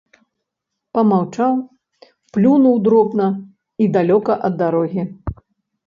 Памаўчаў, плюнуў дробна і далёка ад дарогі.